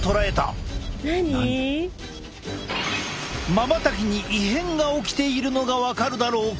まばたきに異変が起きているのが分かるだろうか。